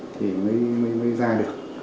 thì mới ra được